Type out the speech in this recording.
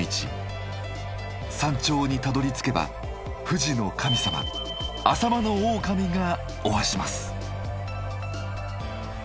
山頂にたどりつけば富士の神様アサマノオオカミがおわします。